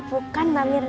pakai jas apa